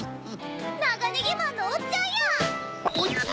ナガネギマンのおっちゃんや！